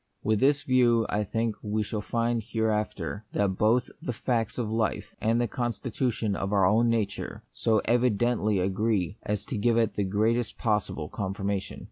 With this view I think we shall find here after that both the facts of life and the consti tution of our own nature so evidently agree as to give it the greatest possible confirmation.